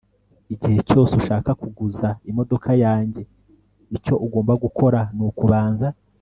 Igihe cyose ushaka kuguza imodoka yanjye icyo ugomba gukora nukubaza